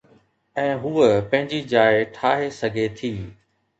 ۽ هوءَ پنهنجي جاءِ ٺاهي سگهي ٿي.